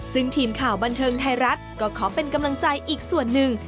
ซึ่งทีมข่าวบันเทิงไทยรัฐก็ขอเป็นกำลังใจอีกส่วนหนึ่ง